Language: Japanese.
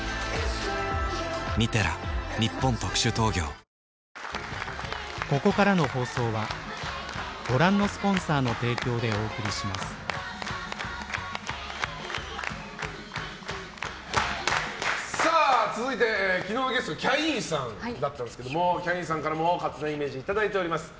「ビオレ」続いて、昨日のゲストキャインさんだったんですがキャインさんからも勝手なイメージいただいております。